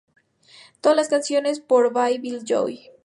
Todas las canciones por by Billy Joel.